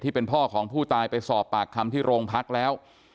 เป็นพ่อของผู้ตายไปสอบปากคำที่โรงพักแล้ว